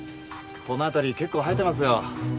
この辺り結構生えてますよ。